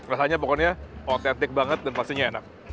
rasanya pokoknya otentik banget dan pastinya enak